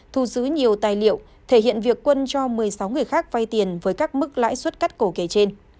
thu giữ nhiều tài liệu thể hiện việc quân cho một mươi sáu người khác vay tiền với các mức lãi suất cắt cổ kể trên